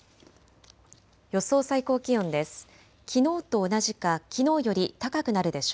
予想最高気温です。